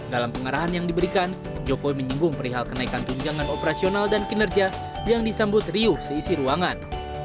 dalam pengarahan yang diberikan jokowi menyinggung perihal kenaikan tunjangan operasional dan kinerja yang disambut riuh seisi ruangan